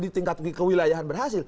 di tingkat kewilayahan berhasil